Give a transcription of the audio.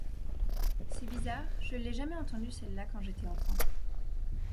C’est bizarre, je l’ai jamais eue, celle-là, quand j’étais enfant.